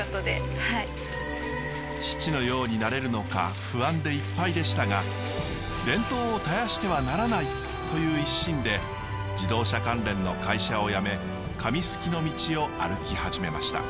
父のようになれるのか不安でいっぱいでしたが伝統を絶やしてはならないという一心で自動車関連の会社を辞め紙すきの道を歩き始めました。